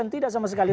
tidak sama sekali